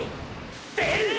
出る！！